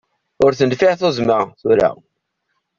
Ur tenfiɛ tuzzma, tura.